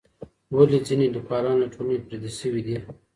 ولې ځينې ليکوالان له ټولني پردي سوي دي؟